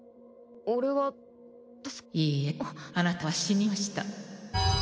いいえあなたは死にました。